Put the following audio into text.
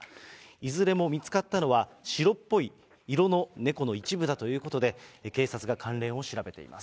いずれも見つかったのは、白っぽい色の猫の一部だということで、警察が関連を調べています。